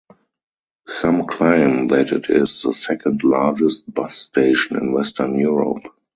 Some claim that it is the second largest bus station in Western Europe.